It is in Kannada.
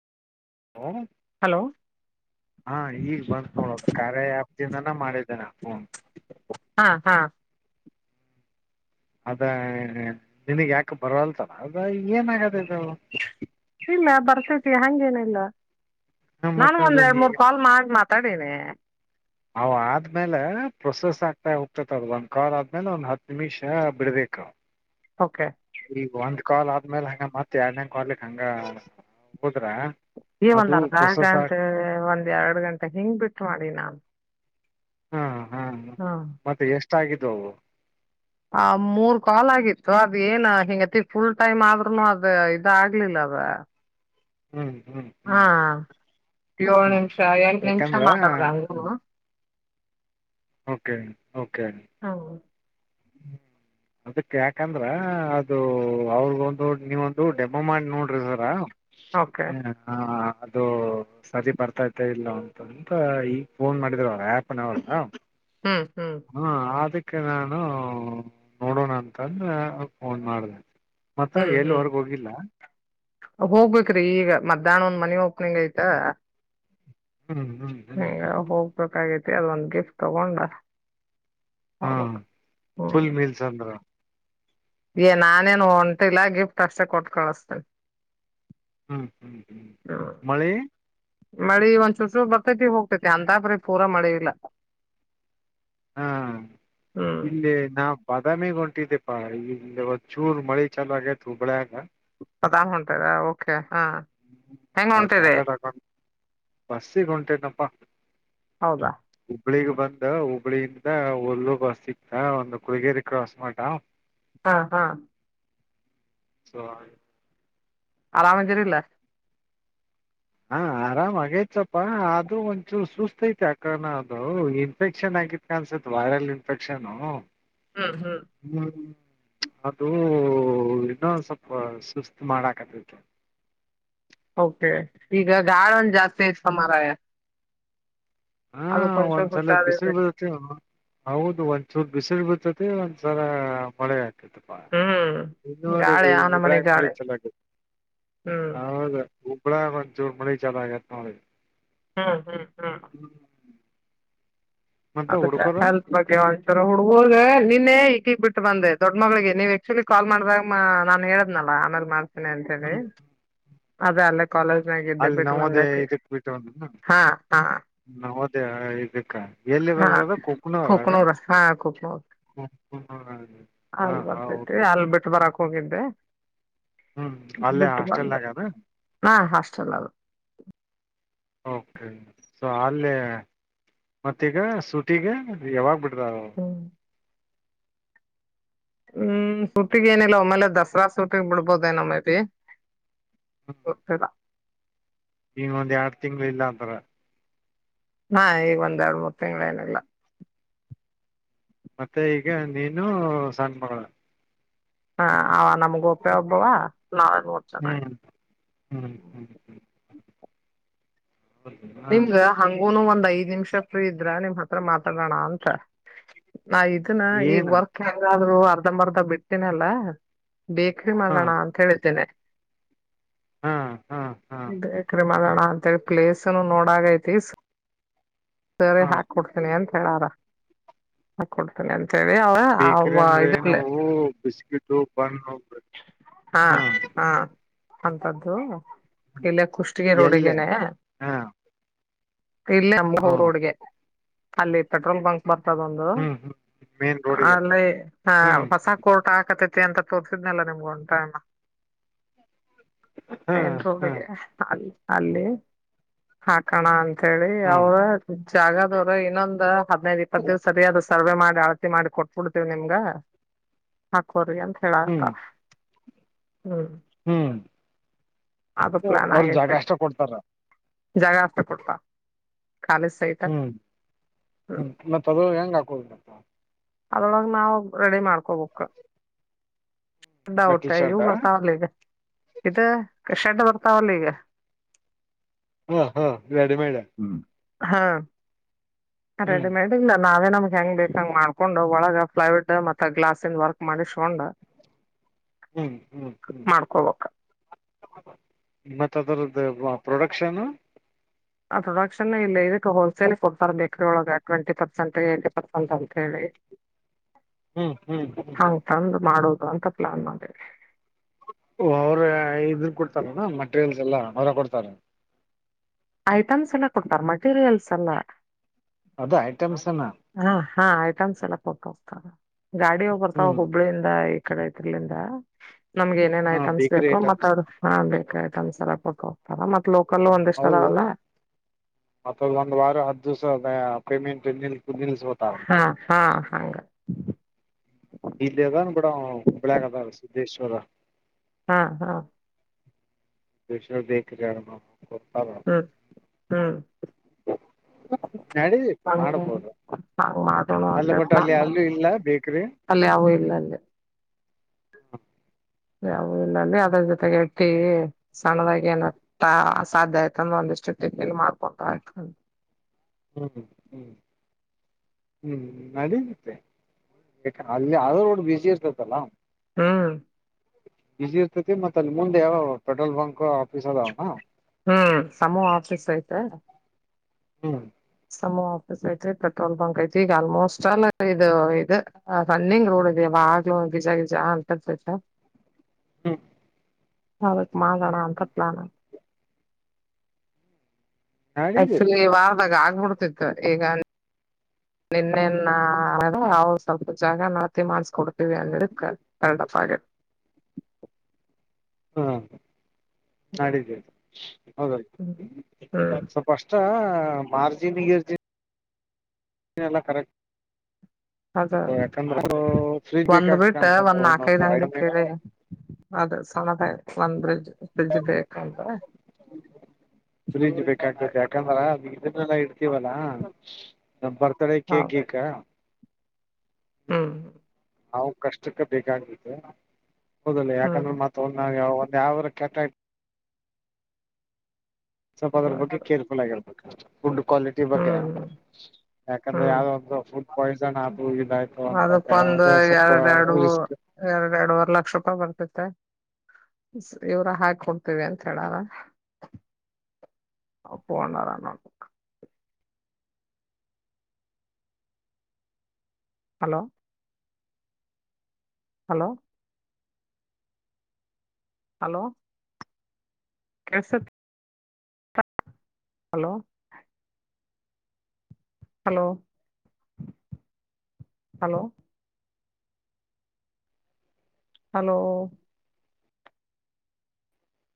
ಹಾ ಹಲೋ ಹಾ ಈಗ ಬಂದ್ ನೋಡೋದು ಕಾರರೆ್ಯಾಪ್ತಿಂದನ ಮಾಡಿದ್ದೇನೆ ಫೋನ್ ಹಾಂ ಹಾಂ ಅದು ನಿನಗ್ಯಾಕೆ ಬರವಲ್ಲದು ಅದೇನಕ್ಕ ಚಯ್ತಿ ಇಲ್ಲ ಬರ್ತೈತೆ ಹಂಗೇನಿಲ್ಲ ನಾನು ಮತ್ತ ಒಂದು ಅದ ಎರಡು ನೀ ಮೂರು ಕಾಲ್ ಮಾಡಿ ಮಾತಾಡಿ ಆದಮೇಲೆ ಒಂದು ಹತ್ತು ನಿಮಿಷ ಬಿಡಬೇಕು ಅವು ಆದ್ಮೇಲೆ ಪ್ರೋಸಸ್ ಹಾಕ್ತ ಹೋಗ್ತಾ ಹೋಗ್ತಾ ಓಕೆ ಈಗ ಒಂದು ಕಾಲ ಆದ್ಮೇಲೆ ಹೆಂಗೆ ಎರಡನ ಕಾಲು ಹೋದರೆ ಈ ಒಂದ ಅರ್ಧ ಗಂಟೆ ಎರಡಬಿಟ್ಟು ಮಾಡಿ ನಾನು ಹಾ ಹಾ ಹ್ಞೂ ಮತ್ತೆ ಇಷ್ಟ ಇದ್ವು ಒಂದು ಮೂರ ಕಾಲ ಆಯಿತು ಅದು ಏನಾಗೈತಿ, ಅದು ಫುಲ್ ಟೈಮ್ ಆದ್ರೂನು ಇದಾಗಿಲ್ಲದು ಹ್ಮ್ ಹ್ಮ್ ಹಾ ಹ್ಮ್ ಏಳು ಹ್ಮ್ ನಿಮಿಷ ಎರಡು ನಿಮಿಷ ಯಾಕಂದ್ರ ಮಾತಾಡಿದ್ರೆ go no okay okay how ಹ್ಮ ಅದಕ್ಕೆ ಯಾಕಂದ್ರೆ ಅದು ಅವರು ನೀವೊಂದು ಮಾಡಿ ನೋಡ್ರಿ ಸರ ಓಕೆ ಹ ಹಾ ಅದು ಸರಿ ಬರ್ತಾ ಇಲ್ಲ ಅಂತಂದು ಈಗ್ ಫೋನ್ ಮಾಡಿದ್ರು ಅವರು ಯಾಪ್ ನವರು ಹ್ಮ್ ಹ್ಮ್ ಹ್ಮ ಓಕೆ ನಾನು ನೋಡೋಣ ಅಂತಂದು ಅದು ಫೋನ್ ಮಾಡಿದೆ ಅತ್ತೆಯಲ್ಲಿ ಹೊರ ಹೋಗಿಲ್ಲ ಬೇಕ್ರಿ ಈಗ ಮಧ್ಯಾಹ್ನ ಒಂದು ಮನೆ ಓಪನಿಂಗ್ ಆಯ್ತಾ ಹ್ಮ್ ಹ್ಮ್ ಹೋಗ್ಬೇಕಾಗಿದೆ ಒಂದು ಗಿಫ್ಟ್ ತಂದು ಹಾ ಫುಲ್ ಮೂವೀಸ್ ಅಂದ್ರೆ ನಾನೇನ್ ಹೊಂಟಿಲ್ಲ ಗಿಫ್ಟ್ ತಟ್ಟೆ ಕೊಟ್ಟು ಕಳಿಸ್ತೀನಿ ಹ್ಞೂ ಹ್ಞೂ ಹ್ಞೂ ಹ್ಮ್ ಮಳೆ ಮಳಿ ಒಂದ್ ಚುರು ಚು ಬರ್ತೈತಿ ಹೋಗ್ತೈತಿ ಅಂತಾಪ್ರೀ ಪೂರ ಮಳ ಇಲ್ಲ ಹಾ ಹ್ಮ್ ಇಲ್ಲಿ ನಾವು ಬಾದಾಮಿಗೆ ಒಂಟಿಕೊಪ್ಪ ಇಲ್ಲಿ ಒಂದು ಚೂರು ಮಳೆ ಚಲವಾದಿ ಹುಬ್ಬಳ್ಳಿ ಬಾದಾಮ್ ಒಂಟಿದ್ರಾ ಓಕೆ ಹೆಂಗ್ ಹ್ಮಹೌದು ಹೊಂಟಿದೆ ಚಾರ್ಟೆಡ್ ಅಕೌಂಟ್ ಬಸ್ಸಿಗೆ ಒಂಟಿತನಪ್ಪ ಹೌದಾ ಹುಬ್ಬಳ್ಳಿ ಬಂದು ಹುಬ್ಬಳ್ಳಿಯಿಂದ ಬಸ್ ಸಿಕ್ತಾ ಕುಳಗೇರಿ ಕ್ರಾಸ್ ಮಠ ಹಾ ಹಾ ಸಾರಿ ರಾಮದಿರೇ ಇಲ್ಲ ಹಾ ಆರಾಮ್ ಆಗೈತಪ್ಪಾ ಆದ್ರೂ ಒಂಚೂ ಸುಸ್ತೈತಿ ಆಕಣ ಅದು ಇನ್ಫೆಕ್ಷನ್ ಆಗಿ ವೈರಲ್ ಇನ್ಫೆಕ್ಷನ್ ಆಗಿತ್ತು ಅಂತ ಅನ್ಸುತ್ತೆ ಹ್ಮ್ ಹ್ಮ್ ಹ್ಮ ಅದು ಇನ್ನೊಂದ್ ಸ್ವಲ್ಪ ಸುಸ್ತ್ ಬಹಳ ಆಕತಿ ಓಕೆ ಈಗ ಗಾಳಿ ಒಂದು ಜಾಸ್ತಿ ಆಯ್ತು ಮಾರಾಯ ಹಾ ಅದಕ್ಕೊಂಚೂರ್ ಸತ್ಯ ಬಿಸ್ಲು ಹುಷಾರಿರ್ಬೇಕ್ ಬೀಳುತ್ತೆ ಒಂದ್ ಸತಿ ಹೌದು ಬಿಸಿಲು ಬರುತ್ತದೆ ಒಂದು ತರಹ ಮಳೆ ಕಪ್ಪಾ ಹ್ಮ್ ಗಾಳಿ ಯಾವ ಮಕ್ಕಳ ನಮನಿ ಮಳೆ ಗಾಳಿ ಚಲವಾದಿ ಹ್ಮ್ ಹುಬ್ಬಳ್ಳಿ ಹಾಗೆ ಒಂಚೂರು ಮಳೆ ಚಲವಾದಿ ನೋಡಿಲ್ಲಿ ಹಾಂ ಹಾಂ ಹಾಂ ಹ್ಮ ಅದಕ್ಕೆ ಹೆಲ್ತ್ ಬಗ್ಗೆ ಒಂಚೂರ ಹು ನಿನ್ನೆ ಈಟೀಗ್ ಬಿಟ್ಟು ಬಂದೆ ದೊಡ್ಡ ಮಳಿಗೆ ನೀವ್ ಆಕ್ಚುಲಿ ಕಾಲ್ ಮಾಡಿದಾಗ ನಾನನ್ ಹೇಳಿದ್ನಲ್ಲ ಆಮೇಲೆ ಮಾಡ್ತೀನಿ ಅಂತ ಹೇಳಿ ಅದ ಅಲ್ಲ ಕಾಲೇಜ್ ಮಾಗ ಇದ್ದೆ ಅಲ್ಲಿ ಬಿಟ್ಟ್ರ ನವೋದಯ ಬಂದ ಹಾ ಹ ನೌದೇ ಇದಬೇಕಾ ಹಾ ಕೊಕನೋರ ಹಾ ಕೊಕನೋರ್ ಹಾ ಹಾಲ್ ಹಾ ಬರ್ತೈತಿ ಓಕೆ ಹಲ್ ಬಿಟ್ಟು ಬರಕ್ ಹೋಗಿದ್ದೆ ಹ್ಮ್ ಅಲ್ಲೇ ಬಿಟ್ಟು ಬಂದು ಹಾಸ್ಟೆಲ್ನಾಗದ ಹಾ ಹಾಸ್ಟೆಲ್ ಅಲ್ಲ ಓಕೆ ಸೊ ಅಲ್ಲಿೇ ಮತ್ತೀಗ ಸೂಟಿಗೆ ಯಾವಾಗ ಬಿಡ್ರಾ ಹ್ಮ್ ಹ್ಮ್ ಸೂತಿಗ್ ಏನಿಲ್ಲ ಒಮ್ಮೇಲೆ ದಸರಾ ಸೂತಿಗ್ ಬಿಡ್ಬೋದ ದೇನು ಮೇಬಿ ಗೊತ್ತಿಲ್ಲ ಈಗ ಒಂದಂದು ಎರಡು ತಿಂಗ್ಗಳು ಇಲ್ಲಾಂದಾರೆ ಹಾ ಈಗ ಒಂದ್ ಎರಡ್ ಮೂರ್ ತಿಂಗಳು ಏನಿಲ್ಲ ಮತ್ತೆ ಈಗ ನೀನು ಸನ್ ಮಳ ಹ ಅವ ನಮ್ಗ ಒಪ್ಪೆ ಒಬ್ಬವ ನಾಳೆ ನೂರ್ ಚೆನ್ನ ಹ್ಮ್ ಹ್ಮ್ ಹ್ಮ್ ಹಾ ನಿಮ್ದ ಹಂಗುನು ಒಂದ್ ಐದ ನಿಮಷ ಫ್ರೀ ಇದ್ರ ನಿಮ ಹತ್ರ ಮಾತಾಡೋಣ ಅಂತ ನಾ ಅನ ಏನ ಈಗಗ್ ವರ್ಕ್ ಹಾದ್ರು ಅರ್ಧ ಮರ್ಧ ಬಿಡ್ತನಲ್ಲ ಬೇಕ್ರ ಹಾ ಮಗೋಣ ಅಂತ ಹೇಳಿದ್ದೇನೆ ಹಾ ಹಾ ಹಾ ಬೇಕ್ರ ಮಾಡೋಣ ಅಂತೇಳಿ ಪ್ಲೇಸ್ ನೋಡಾಗೈತಿ ಸರಿ ಹಾ ಹಾಕ ಕೊಡ್ತೀನಿ ಅಂತ ಹೇಳಾರ ಹಾಕ ಕೊಡ್ತೀನಿ ಅಂತ ಹೇಳಿ ಅವ ಬೇಕ್ರಿ ಅವ ಅಂದರೆ ಇದು ನಾವು ಬಿಸ್ಕಿಟು ಬನ್ ಹಬೇಕ ಹಾ ಹಾ ಅಂತದ್ದು ಇಲ್ಲೇ ಕುಷ್ಟಿಗೆ ಎಲ್ಲೆ ರೋಡಿಗೆನೆ ಹಾ ಇಲ್ಲಿ ಅಮ್ಮೋರ್ ಹ್ಮ್ ರೋಡ್ಗೆ ಅಲ್ಲಿ ಪೆಟ್ರೋಲ್ ಬಂಕ್ ಬರ್ತದ ಒಂದು ಹ್ಮ್ ಹ್ಮ್ ಮೇನ್ ರೋಡಿಗೆ ಅಲ್ಲಿ ಹ ಹ್ಮ್ ಹೊಸ ಕೋಟ್ ಹಾಕತೈತಿ ಅಂತ ತೋರ್ಸು ನಿಮ್ಗ ಒಂಟಮ ಹಾ ನ್ ಹಾ ಹಿಗೆ [unintelligible] ಅ ಅಲ್ಲಿ ಹಾಕಣ ಅಂತೇಳಿ ಹಾ ಅವರೇ. ಜಾಗದವರು ಇನ್ನೊಂದು ಹದನೈದು ಇಪ್ಪತ್ತು ದಿವಸ ಸರಿಯಾದು. ಸರ್ವೆ ಮಾಡಿ ಅಳತಿ ಮಾಡಿ ಕೊಟ್ಬಿಡ್ತೀವಿ ನಿಮ್ಗ ಹಾಕೋರಿ ಅಂತ ಹೇಳ. ಹ್ಮ್ ಹ್ ಹ್ಮ್. ಹ್ಮ್ ಅದು ಓ ಅವರು ಜಾಗ ಅಷ್ಟ ಕೊಡ್ತಾರ. ಜಾಗಾ ಅಷ್ಟಾ ಕೊಡ್ತಾ ಖಾಲಿ. ಸೈಟ್ ಹ್ಮ್ ಹ್ಮ್ ಮತ್ತ ಅದು ಹೆಂಗ ಹಾಕೋಬೇಕ. ಆದರೋಳಗ ನಾವು ರೆಡಿ ಮಾಡ್ಕೊಬಕ್. ಮೆಟಲ್ ಟೆ ಇವ ಶರ್ಟ್ ಬರ್ತಾವಲ್ಲ ಈಗ ಇದು ಶೆಡ್ ಬರ್ತಾವಲ್ಲ ಈಗ ಹಾ ಹಾ ರಡಿ ಮೇಡ ಹಾ ಹ್ಮ್ ರೆಡಿಮೇಡ್ ನಾವೇ ನಮ್ಗೆ ಹೆಂಗ್ ಬೇಕಂಗ್ ಮಾಡ್ಕೊಂಡ್ ಒಳಗ ಫ್ಲೈಡ್ ಮತ್ತ ಗ್ಲಾಸದ ವರ್ಕ್ ಮಾಡಿಸ್ಕೊಂಡ್ ಹಾ ಮಾಡ್ಕೊಬೇಕ ಮತ್ತ ಅದರದ್ದು ಪ್ರೊಡಕ್ಷನ್ ಆ ಪ್ರೊಡಕ್ಷನ್ ಇಲ್ಲ ಇದಕ್ಕೆ ಹೋಲ್ಸೇಲ್ ಕೊಡ್ತಾರೆ ಬೇಕ್ರ ಒಳಗ ಟ್ವೆಂಟಿ ಪರ್ಸೆಂಟ್ ಪರ್ಸೆಂಟ್ ಅಂತ ಹೇಳಿ ಹೂ ಹೂ ಹೂ ಹಂಗ್ ತಂದ್ ಮಾಡೋದ ಅಂತ ಪ್ಲಾನ್ ಮಾಡಿವಿ ಓ ಅವ್ರೇ ಇದ್ರ ಕೊಡ್ತಾರಣ ಮಟೀರಿಯಲ್ಸ್ ಎಲ್ಲಾ ಅವರ ಕೊಡ್ತಾರ. ಐಟಮ್ಸ್ ಎಲ್ಲ ಕೊಡ್ತಾರೆ ಮಟೀರಿಯಲ್ಸ್ ಅಲ್ಲ. ಅದು ಐಟಮ್ಸ್ ಏನಾ. ಹಾ ಹಾ ಐಟಮ್ಸ್ ಎಲ್ಲ ಕೊಟ್ಟೋಗ್ತಾರ ಗಾಡಿ ವಾ ಬರ್ತಾವ ಹೋ. ಹ್ಮ್ ಹುಬ್ಳಿಂದ ಈ ಕಡೆತಿರ್ಲಿಂದ ನಮ್ಗೆ ಏನೇನ್ ಹ ಐಟಮ್ಸ್ ಬೇಕರಿ ಬೇಕು ಮತ್ತ. ಐಟಮ್ಸ್ ಹಾ ಬೇಕಾಯ್ತ ಒಂದ್ಸರಪ ಹೋಗ್ತವು ಮತ್ ಲೋಕಲ್ ಒಂದಿಷ್ಟ ಅದಾವಲ್ಲ. ಮತ್ತದ ಒಂದ ವಾರ ಹದ್ ದಿವಸ ಅದ ಪೇಮೆಂಟ್ ನಿಲ್ ನಿಲ್ಬ [unintelligible] ಹಾ ಹಾ ಹಂಗ್. ಇಲ್ ಅದನ ಬಿಡು ಹುಬ್ಳ್ಯಾಗ ಅದನ ಸಿದ್ಧೇಶ್ವರ. ಹಾ ಹಾ. ಷ ಬೇಕ ಜಾರ ಗೊತ್ತು ಅಲ್ಲ ಹೂ ಹ ನಡಬೇಕು ಮಾಡ್ಬೋದು ಹಂಗ್ ಮಾಡೋಣ ಅಲ್ಲ ಅಂದ್ರೆ ಬಟ್ಟು ಅಲ್ಲಿ ಪ್ಲಾನ್ ಮಾಡ ಅಲ್ಲೂ ಇಲ್ಲ ಬೇಕ್ರಿ ಅಲ್ಲಿ ಯಾವು ಇಲ್ಲ ಅಲ್ಲಿ ಹೂ ಯಯಾವು ಇಲ್ಲ ಅಲ್ಲಿ ಅದ್ರ ಜೊತೆಗೆ ಇಟ್ಟೀವಿ ಸಣ್ಣದಾಗಿ ಏನತ್ತಾ ಸಾಧ್ಯ ಆಯ್ತ ಅಂದ್ರೆ ಒಂದಿಷ್ಟು ದಿನಲ್ಲಿ ಮಾಡ್ಕೊಂತ ಆಯ್ತ ಹೂ ಹೂ ಹೂ ನಡೀೆ ಅಲ್ಲಿ ಯ ರೋಡ್ ಬಿಸಿ ಇರ್ತತ್ತಲ್ಲ ಹೂ ಬಸಿ ಇರ್ತೈತಿ ಮತ್ತತ್ ಅಲ್ಲಿ ಮುಂದೆಾವ ಪೆ್ರೋಲ್ ಬಂಕ್ ಆಫೀಸ್ ಅದಾವನಾ ಹೂ ಸಮೂಹ ಆಫೀಸ್ ಐ್ತ ಹೂ ಆಫೀಸ್ ಐತಿ ಪೆಟ್ರೋಲ್ ಪಂಕ್ ಐತಿ ಈಗ ಆಲ್ಮೋಸ್ಟ್ ಅಲ್ಲ ಇದು ಇದು ಹ ಸಣಿಂಗ ರೋಡ್ ಇದವ ಯಾವಾಗ್ಲೂ ಗೀಜ ಗಿಜ ಅಂರ್ತತ ಹೂ ಹಾವಕ್ ಮೋಣ ಅಂತ ಪ್ಲಾನ್ ನಡಿತೈತಿ ಆಕ್ಚುಲಿ ವಾರದಾಗ ಆಗ್ಬಿಡ್ತಿತ್ತು ಈಗ ನಿನ್ನೆನ್ನ ಅದ ಅವಾವ್ ಸ್ವಲ್ಪ ಜಾಗ ನತಿ ಮಾಡಸ್ಕ ಕೊಡ್ತೀವಿ ಅಂದ ಹೇಳಿದ್ ಕ ಎಲ್ಲಲ್ಲ ಪಾಜ ಹಾ ನಾಡಿದ್ದೇ ಹ್ಮ್ ಹ್ಮ್ ಹೌದತು ಫಸ್ಟ್ ಮಾರ್ಜಿನ್ ಇರ್ಜಿನ್ ಇಲ್ಲ ಅದ ಕರೆಕ್ಟ್ ಯಾಕಂದ್ರೆ ಫ್ರಿಜ್ ಒಂದ್ ಬೇಕಾಗ್ತ ಬಿಟ್ಟ ಅನ್ಸದ ಒಂದ್ ಒಂದೊಂದ ನಾಲ್ಕೈದ್ ಅಂಗಡಿ ಕೇಳಿ ಬ ಅದ ಸಣ್ಣದಾಯ್ ಒಂದ್ ಬ್ರಿಡ್ಜ್ ಫ್ರಿಡ್ಜ್ ಬೇಕಂದ್ರೆ ಹ ಬ್ರೀಜ್ ಬೇಕಾಗ್ತತಿ ಯಾಕಂದ್ರನ್ನೆಲ್ಲಾ ಇಡ್ತೀವಲ್ಲರ್ ಡೆ ಕ ಕೇೇಕ ಹೂ ನಾವು ಕಷ್ಟಕ್ಕೆ ಬೇಕಾಗ್ಲತ್ತ ಹೊದಲ ಹ್ಮ್ ಯಾಕಂದ್ರೆ ಮತ್ತ ನಾ ಯಾವ ಒಂದ್ ಯಾವರ ಕೆಟ್ಟ ಸ್ವಲ್ಪ ಅದ್ರ ಬಗ್ಗೆ ಹೌದೌದು ಕೇರ್ ಫುಲ್ ಆಗಿರ್ಬೇಕು ಫುಡ್ ಕ್ವಾಲಿಟಿ ಬಗ್ಗೆ ಹ್ಮ್ ಯಾಕಂದ್ರೆ ಹ್ಮ್ ಯಾವ್ದೊ ಒಂದು ಫುಡ್ ಪಾಯ್ಸನ್ ಆದೂ ಇದಾಯ್ತು ಅಂತ ಅಂದ್ರೆ ಅದಕ್ಕೊಂದ್ ಅದು ಸ್ವಲ್ಪ ಎರಡ್ ಹೈ ರಿಸ್ಕ್ ಎರಡು ಎರಡವರೆ ಲಕ್ಷ ರೂಪಾಯಿ ಬರ್ತಿತ್ತೆ ಇವ್ರ ಹಾಕ ಕೊಡ್ತೇವಿ ಅಂತ ಹೇಳಾರ ಅಪ್ಪೊಂಡಾರಣ ನೋಡ ಹಲೋ ಹಲೋ ಹಲೋ ಕೇಳಸತ್ತ ಹಲೋ ಹಲೋ ಹಲೋ ಹಲೋ